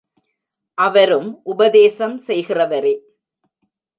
அவரும் உபதேசம் செய்கிறவரே.